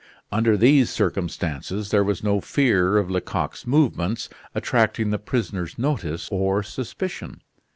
Under these circumstances there was no fear of Lecoq's movements attracting the prisoner's notice or suspicion.